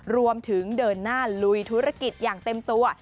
รวมถึงเดินหน้าลุยธุรกิจอย่างเต็มตัว